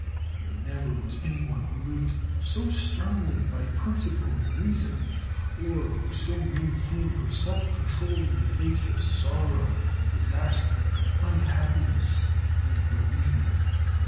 There never was anyone who lived so sternly by principle and reason, or who so maintained her self control in the face of sorrow, disaster, unhappiness, and bereavement.